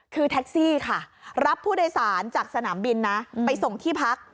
คือแท็กซี่ค่ะรับผู้โดยสารจากสนามบินนะไปส่งที่พัก